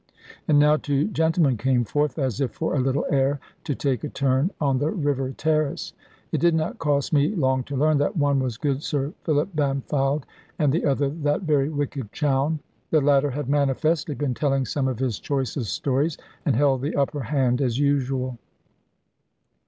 And now two gentlemen came forth, as if for a little air, to take a turn on the river terrace. It did not cost me long to learn that one was good Sir Philip Bampfylde, and the other that very wicked Chowne. The latter had manifestly been telling some of his choicest stories, and held the upper hand as usual.